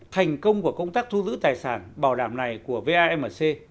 thành công của công tác thu giữ tài sản bảo đảm này của vamc